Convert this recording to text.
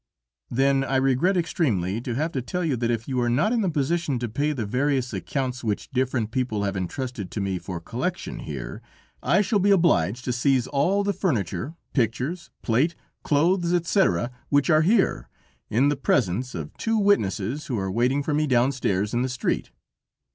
"Then I regret extremely to have to tell you that if you are not in a position to pay the various accounts which different people have intrusted to me for collection here, I shall be obliged to seize all the furniture, pictures, plate, clothes etc., which are here, in the presence of two witnesses who are waiting for me downstairs in the street."